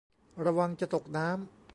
ระวังจะตกน้ำ